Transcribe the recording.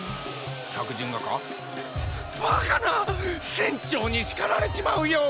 客人がか⁉バカな船長に叱られちまうよォ！